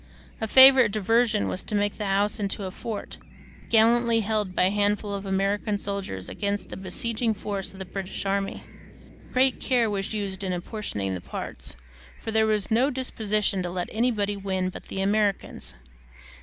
A favorite diversion was to make the house into a fort, gallantly held by a handful of American soldiers against a besieging force of the British army. Great care was used in apportioning the parts, for there was no disposition to let anybody win but the Americans.